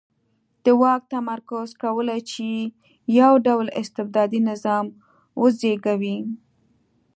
د واک تمرکز کولای شي یو ډ ول استبدادي نظام وزېږوي.